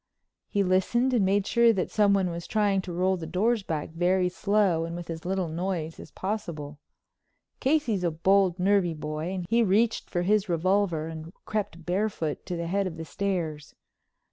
He listened and made sure that someone was trying to roll the doors back very slow and with as little noise as possible. Casey's a bold, nervy boy, and he reached for his revolver and crept barefooted to the head of the stairs.